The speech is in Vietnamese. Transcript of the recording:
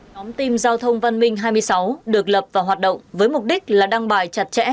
nhóm team giao thông văn minh hai mươi sáu được lập và hoạt động với mục đích là đăng bài chặt chẽ